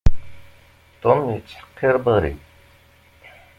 Tom yettḥeqqiṛ Mary.